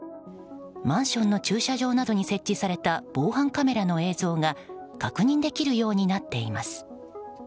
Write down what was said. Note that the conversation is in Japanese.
マンションの駐車場などに設置された防犯カメラの映像が確認できるようになっています。